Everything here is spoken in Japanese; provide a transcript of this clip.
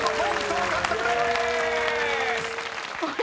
獲得でーす！］